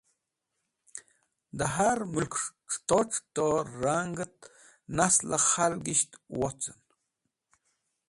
De har Mulk es̃h C̃huto C̃huto Rang et Nasle Khalgisht Wocen